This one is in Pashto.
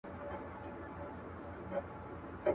سړې شپې يې تېرولې په خپل غار كي.